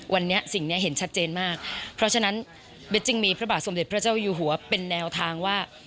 วันนี้สิ่งนี้เห็นชัดเจนมากเพราะฉะนั้นเบสจึงมีพระบาทสมเด็จพระเจ้าอยู่หัวเป็นแนวทางว่า